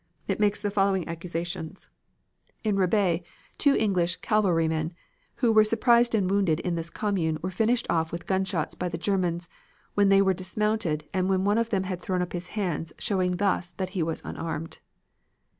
It makes the following accusations: "In Rebais, two English cavalrymen who were surprised and wounded in this commune were finished off with gunshots by the Germans when they were dismounted and when one of them had thrown up his hands, showing thus that he was unarmed.